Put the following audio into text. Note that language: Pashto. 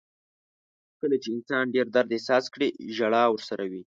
• کله چې انسان ډېر درد احساس کړي، ژړا ورسره وي.